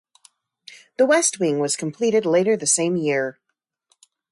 The West Wing was completed later the same year.